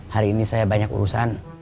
hari ini saya banyak urusan